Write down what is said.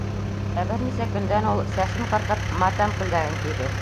Ә бер нисә көндән ул, сәсен ҡырҡып, матәм күлдәген кейҙе.